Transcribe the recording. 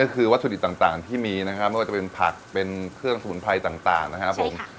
ก็คือวัตถุดิบต่างที่มีนะครับไม่ว่าจะเป็นผักเป็นเครื่องสมุนไพรต่างนะครับผม